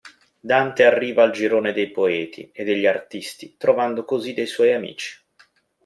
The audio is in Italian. Dante arriva al girone dei poeti e degli artisti trovando così dei suoi amici.